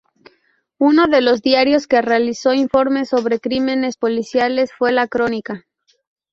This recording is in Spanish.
Uno de los diarios que realizó informes sobre crímenes policiales fue La Crónica.